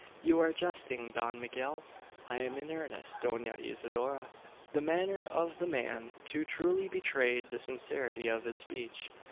"You are jesting, Don Miguel?" "I am in earnest, Dona Isidora." The manner of the man too truly betrayed the sincerity of his speech.